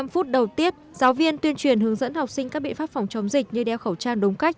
một mươi phút đầu tiết giáo viên tuyên truyền hướng dẫn học sinh các biện pháp phòng chống dịch như đeo khẩu trang đúng cách